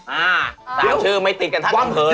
อ่าสามชื่อไม่ติดกันท่านอำเภอเลย